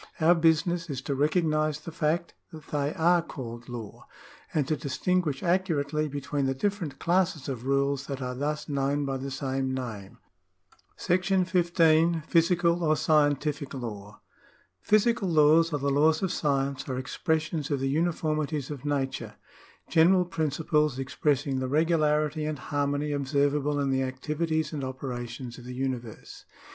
Our business is to recognise the fact that they are called law, and to distinguish accurately between the different classes of rules that are thus known by the same name. § 15. Physical or Scientific Law. Physical laws or the laws of science are expressions of the uniformities of nature — general principles expressing the regularity and harmony observable in the activities and operations of the universe.